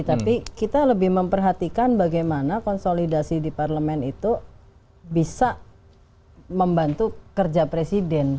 tapi kita lebih memperhatikan bagaimana konsolidasi di parlemen itu bisa membantu kerja presiden